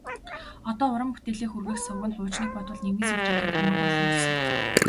Одоо уран бүтээлээ хүргэх суваг нь хуучныг бодвол нийгмийн сүлжээ гээд хамаагүй олон болсон.